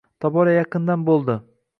Tobora yaqindan bo‘ldi.